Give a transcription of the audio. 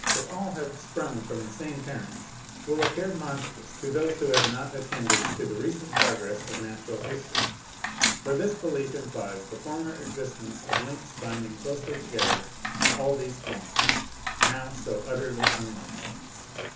could all have sprung from the same parents, will appear monstrous to those who have not attended to the recent progress of natural history. For this belief implies the former existence of links binding closely together all these forms, now so utterly unlike.